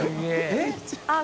えっ？